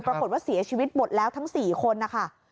ปรากฏว่าเสียชีวิตหมดแล้วทั้ง๔คนนะคะ